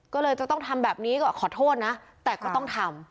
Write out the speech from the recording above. ก็เลยจะต้องทำแบบนี้ก็ขอโทษนะแต่ก็ต้องทำ